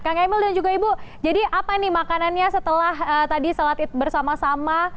kang emil dan juga ibu jadi apa nih makanannya setelah tadi salat id bersama sama